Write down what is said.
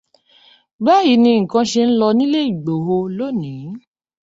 Báyìí ni nǹkan ṣé ń lọ nílé Ìgbòho lónìí.